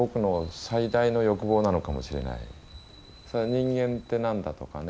それは人間って何だ？とかね